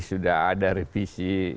sudah ada revisi